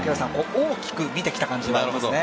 大きく見てきた感じはありますね。